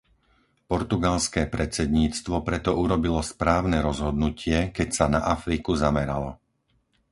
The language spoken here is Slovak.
Portugalské predsedníctvo preto urobilo správne rozhodnutie, keď sa na Afriku zameralo.